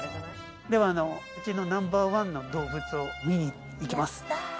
うちのナンバーワンの動物を見に行きます。